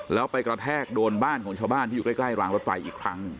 แล้วไปกระแทกโดนบ้านของชาวบ้านที่อยู่ใกล้รางรถไฟอีกครั้งหนึ่ง